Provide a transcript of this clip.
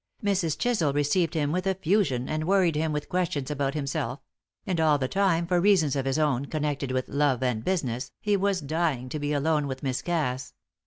Mrs. Chisel received him with effusion, and worried him with questions about himself; and all the time, for reasons of his own connected with love and business, he was dying to be alone with Miss Cass.